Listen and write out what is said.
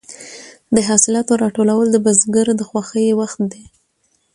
د حاصلاتو راټولول د بزګر د خوښۍ وخت دی.